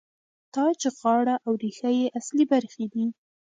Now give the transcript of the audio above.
تاج، غاړه او ریښه یې اصلي برخې دي.